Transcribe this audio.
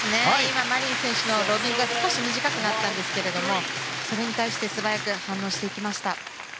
今、マリン選手のロビングが少し短くなったんですがそれに対して素早く反応していきました。